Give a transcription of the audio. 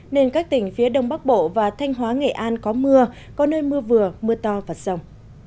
nên các tỉnh phía đông bắc bộ và thanh hóa nghệ an có mưa có nơi mưa vừa mưa to và sông